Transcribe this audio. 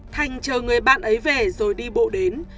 thành chờ người bạn ấy về rồi đi bộ đến